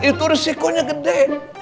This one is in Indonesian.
itu risikonya gede